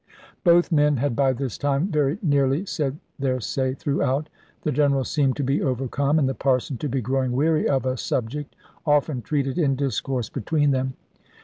Both men had by this time very nearly said their say throughout. The General seemed to be overcome, and the Parson to be growing weary of a subject often treated in discourse between them.